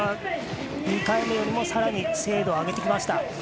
２回目よりもさらに精度を上げてきました。